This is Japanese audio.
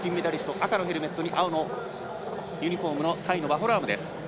赤のヘルメットに青のユニフォームのタイのワホラームです。